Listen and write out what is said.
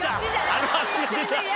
あの握手が出た！